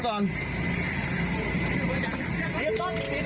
ครับ